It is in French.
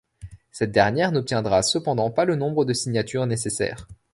Cette dernière n'obtiendra cependant pas le nombre de signatures nécessaire.